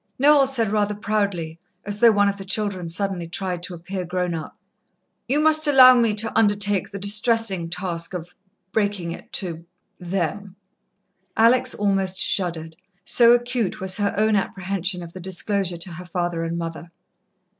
Noel said, rather proudly, as though one of the children suddenly tried to appear grown up: "You must allow me to undertake the distressing task of breaking it to them." Alex almost shuddered, so acute was her own apprehension of the disclosure to her father and mother.